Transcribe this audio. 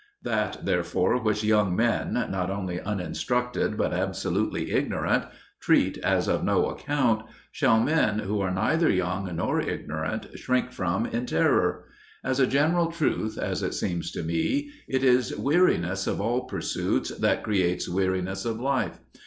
That, therefore, which young men not only uninstructed, but absolutely ignorant treat as of no account, shall men who are neither young nor ignorant shrink from in terror? As a general truth, as it seems to me, it is weariness of all pursuits that creates weariness of life.